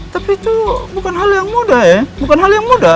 tapi itu bukan hal yang mudah ya bukan hal yang mudah